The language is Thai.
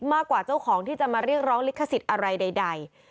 มากกว่าเจ้าของที่จะมาเรียกร้องลิขสิทธิ์อะไรใด